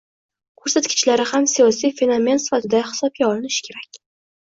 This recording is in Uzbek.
ko‘rsatkichlari ham siyosiy fenomen sifatida hisobga olinishi kerak.